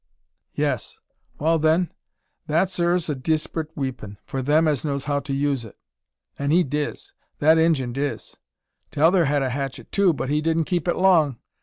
"Yes." "Wal, then; that ur's a desprit weepun, for them as knows how to use it; an' he diz; that Injun diz. T'other had a hatchet, too, but he didn't keep it long.